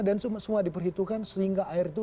dan semua diperhitungkan sehingga air itu